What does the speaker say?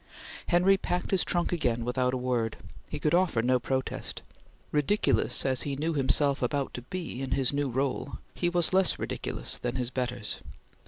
Henry packed his trunk again without a word. He could offer no protest. Ridiculous as he knew himself about to be in his new role, he was less ridiculous than his betters.